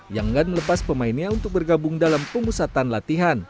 yang tidak melepas pemainnya untuk bergabung dalam pengusatan latihan